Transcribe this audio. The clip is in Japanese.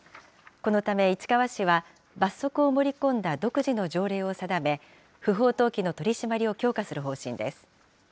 このため市川市は、罰則を盛り込んだ独自の条例を定め、不法投棄の取締りを強化する方針です。